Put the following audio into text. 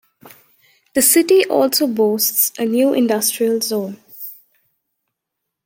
The city also boasts a new industrial zone.